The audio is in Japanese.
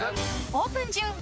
［オープン］